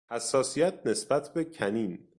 حساسیت نسبت به کنین